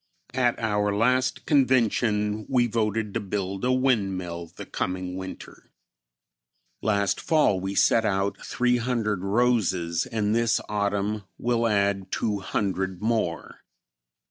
At our last convention we voted to build a windmill the coming winter. Last fall we set out 300 roses and this autumn will add 200 more.